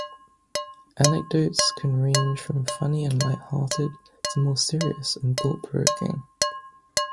Anecdotes can range from funny and light-hearted to more serious and thought-provoking.